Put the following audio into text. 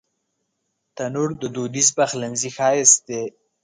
تنور د دودیز پخلنځي ښایست دی